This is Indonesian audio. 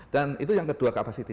dan itu yang kedua kapasitas